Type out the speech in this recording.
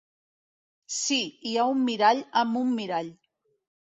Sí, hi ha un mirall amb un mirall.